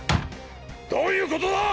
どういうことだ！！